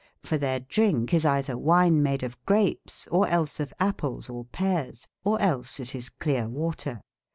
for tbeir drin k e is eytberwyne made of grapes, or els of apples, or peares, or els it is cleare water.